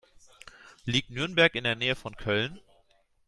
Liegt Nürnberg in der Nähe von Köln?